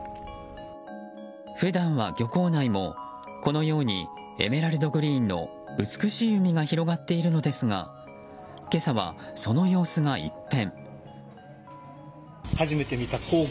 普段は漁港内もこのようにエメラルドグリーンの美しい海が広がっているのですが今朝はその様子が一変。